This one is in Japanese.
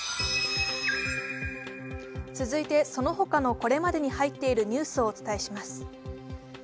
続いてその他のこれまでに入っているニュースをお伝えします。